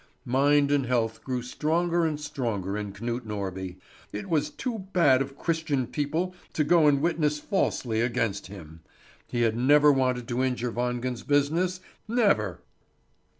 Mind and health grew stronger and stronger in Knut Norby. It was too bad of Christian people to go and witness falsely against him. He had never wanted to injure Wangen's business, never!